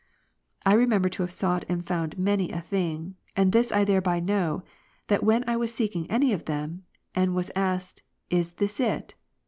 I remember to have sought and found many a thing ; and this I thereby know, that when I was seeking any of them, and was asked, "Is this it?"